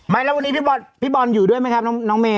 ไม่แล้ววันนี้พี่บอลพี่บอลอยู่ด้วยไหมครับน้องเมย์